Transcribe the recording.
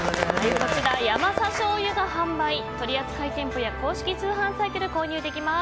こちら、ヤマサ醤油が販売取扱店舗や公式通販サイトで購入できます。